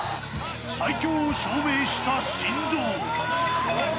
最強を証明した神童。